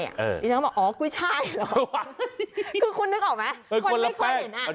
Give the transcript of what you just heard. เรียกถึงบอกมันกล้วยชายกินนึกออกมัวคนเคยเห็นไหม